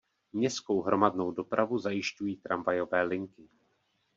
Městskou hromadnou dopravu zajišťují tramvajové linky.